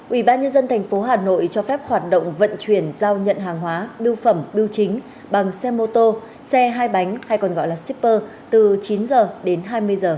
ubnd tp hà nội cho phép hoạt động vận chuyển giao nhận hàng hóa biêu phẩm biêu chính bằng xe mô tô xe hai bánh hay còn gọi là shipper từ chín h đến hai mươi h